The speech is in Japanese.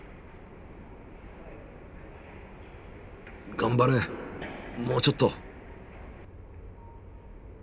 頑張れもうちょっと。